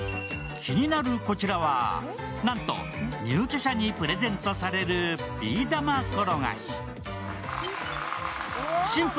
気になるこちらは、なんと入居者にプレゼントされるビー玉転がし。